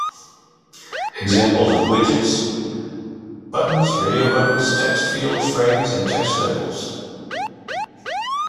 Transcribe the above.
Examples of widgets: buttons, radiobuttons, text fields, frames, and text labels.